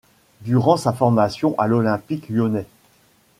Durant sa formation à l'Olympique Lyonnais.